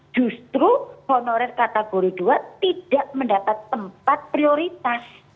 justru honorer kategori dua tidak mendapat tempat prioritas